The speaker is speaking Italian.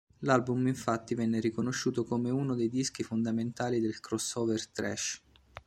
L'album infatti venne riconosciuto come uno dei dischi fondamentali del crossover thrash.